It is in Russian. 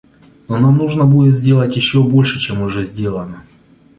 Но нам нужно будет сделать еще больше, чем уже сделано.